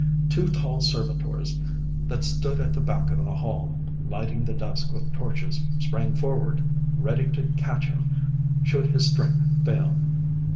Two tall servitors that stood at the back of the hall, lighting the dusk with torches, sprang forward ready to catch him should his strength fail.